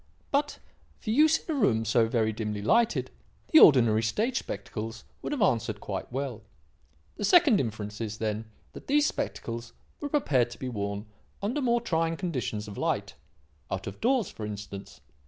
But, for use in a room so very dimly lighted, the ordinary stage spectacles would have answered quite well. The second inference is, then, that these spectacles were prepared to be worn under more trying conditions of light out of doors, for instance.